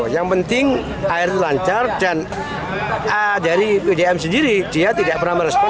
yang penting air itu lancar dan dari pdm sendiri dia tidak pernah merespon